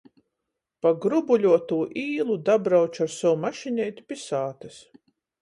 Pa grubuļuotū īlu dabrauču ar sovu mašineiti pi sātys.